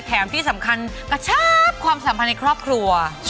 แถมที่สำคัญก็ชอบความสำคัญในครอบครัว